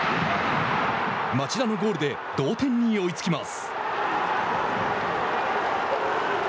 町田のゴールで同点に追いつきます。